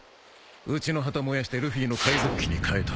うちの旗燃やしてルフィの海賊旗にかえた。